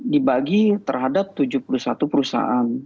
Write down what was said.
dibagi terhadap tujuh puluh satu perusahaan